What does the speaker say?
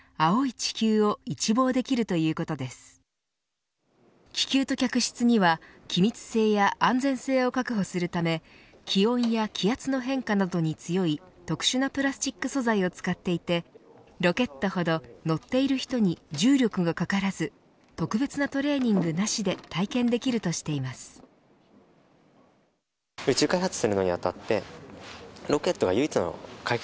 気球と客室には気密性や安全性を確保するため気温や気圧の変化などに強い特殊なプラスチック素材を使っていてロケットほど乗っている人に重力がかからず特別なトレーニングなしで体験できるとしています。